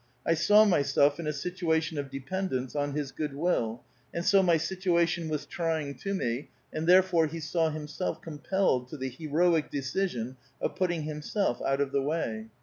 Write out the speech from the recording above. I saw myself in a situation of dependence on his good will, and so mj' situation was trying to me, and therefore he saw himself compelled to the heroic decision of putting himself out of the way.